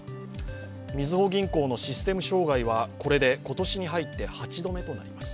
みずほ銀行のシステム障害はこれで今年に入って８度目となります。